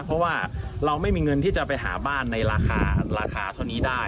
เพราะว่าเราไม่มีเงินที่จะไปหาบ้านในราคาราคาเท่านี้ได้